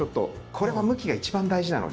これは向きが一番大事なので。